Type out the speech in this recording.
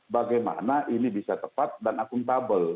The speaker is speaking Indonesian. bagaimana ini bisa tepat dan akuntabel